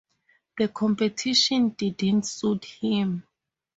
The competition didn't suit him.